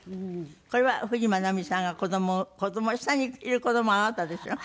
これは冨士眞奈美さんが子どもを下にいる子どもあなたでしょ？